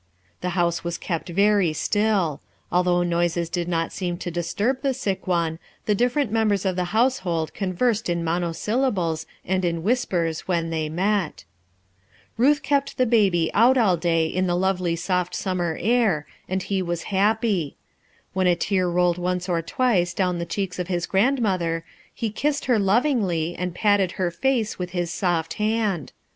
The house was kept very still; although noises did not seem to disturb the sick one, the different members of the household conversed in mono syllables and in whispers when they met, Ruth kept the baby out all day in the lovely soft summer air, and he was happy* When a "SOMETHING HAD HAPPENED" 3C3 tear rolled once or twice down the checks of hia grandmother, ho kissed her loving, and patted her face with lus soft hand.